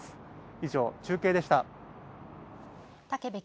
以上中継でした。